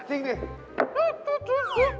จริงดิ